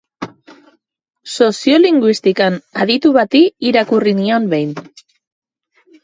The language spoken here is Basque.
Soziolinguistikan aditu bati irakurri nion behin.